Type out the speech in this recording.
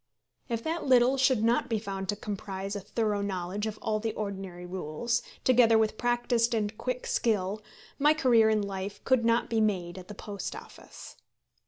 If that little should not be found to comprise a thorough knowledge of all the ordinary rules, together with practised and quick skill, my career in life could not be made at the Post Office.